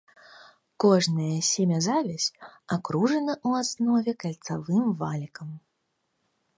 Кожная семязавязь акружана ў аснове кальцавым валікам.